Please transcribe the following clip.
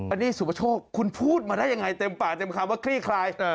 อันนี้สุประโชคคุณพูดมาได้ยังไงเต็มปากเต็มคำว่าคลี่คลาย